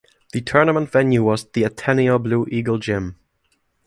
The tournament venue was the Ateneo Blue Eagle Gym.